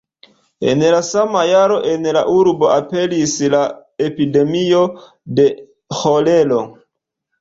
En la sama jaro en la urbo aperis la epidemio de ĥolero.